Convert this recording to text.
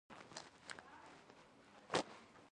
• ریښتینی ملګری ستا احساس ته درناوی لري.